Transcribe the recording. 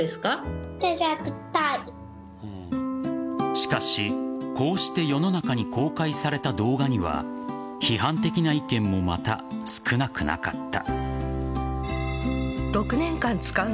しかし、こうして世の中に公開された動画には批判的な意見もまた、少なくなかった。